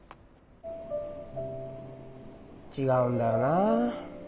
ちがうんだよな。